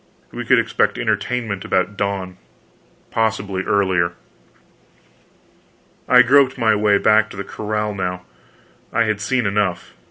We could expect entertainment about dawn, possibly earlier. I groped my way back to the corral now; I had seen enough.